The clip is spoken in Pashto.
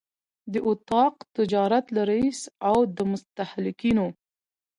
د اطاق تجارت له رئیس او د مستهلکینو